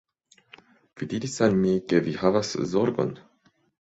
Vi diris al mi ke vi havas zorgon